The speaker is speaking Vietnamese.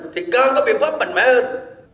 giải pháp mạnh mẽ hơn